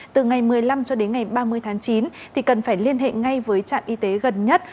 từ ngày một mươi năm cho đến ngày ba mươi tháng chín thì cần phải liên hệ ngay với trạm y tế gần nhất